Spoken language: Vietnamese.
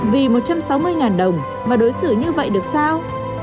vì một trăm sáu mươi đồng mà đối xử như vậy được sao